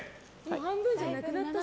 半分じゃなくなったし。